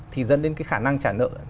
thì dẫn đến cái khả năng trả nợ